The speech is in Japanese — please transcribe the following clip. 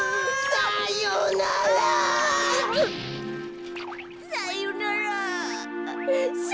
さよなら！